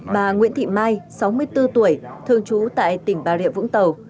bà nguyễn thị mai sáu mươi bốn tuổi thương chú tại tỉnh bà rịa vũng tàu